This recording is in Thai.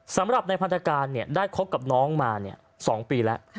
สำหรับในพันธการเนี้ยได้คบกับน้องมาเนี้ยสองปีแล้ว